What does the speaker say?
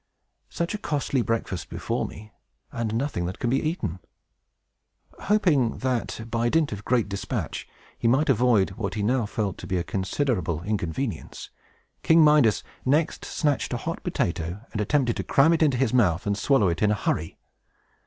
"Such a costly breakfast before me, and nothing that can be eaten!" Hoping that, by dint of great dispatch, he might avoid what he now felt to be a considerable inconvenience, King Midas next snatched a hot potato, and attempted to cram it into his mouth, and swallow it in a hurry.